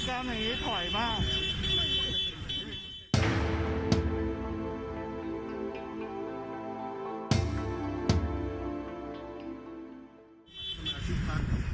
ชาวไฮล์เค้าเล่าโจมจังชาวกดเกี่ยวแสวเกท